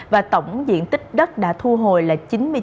và tổng diện tích đất đã thu hồi là chín mươi chín bốn mươi năm